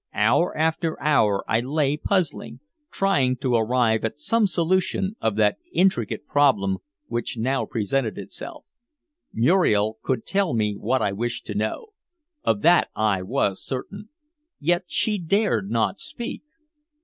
Hour after hour I lay puzzling, trying to arrive at some solution of that intricate problem which now presented itself. Muriel could tell me what I wished to know. Of that I was certain. Yet she dared not speak.